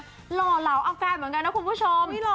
หล่อเหลาเอาแฟนเหมือนกันนะคุณผู้ชม